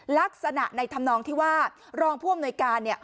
ลักษณะในทำนองที่ว่ารองภวมหนอยการเนี้ย